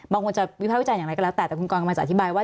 บางคนจะวิภาพวิจัยอย่างไรก็แล้วแต่คุณกรจะอธิบายว่า